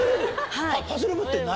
パズル部って何？